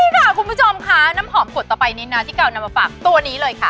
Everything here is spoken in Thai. นี่ค่ะคุณผู้ชมค่ะน้ำหอมขวดต่อไปนี้นะที่เก่านำมาฝากตัวนี้เลยค่ะ